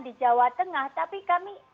di jawa tengah tapi kami